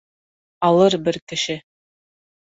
Алыр бер кеше.